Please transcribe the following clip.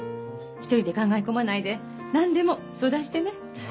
一人で考え込まないで何でも相談してね。